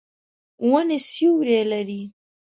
ونې سیوری لري.